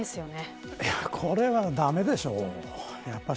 これは駄目でしょう。